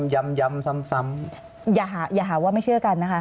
อย่าหาว่าไม่เชื่อกัน